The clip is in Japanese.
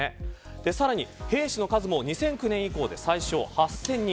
さらに兵士の数も２００９年以降で最少８０００人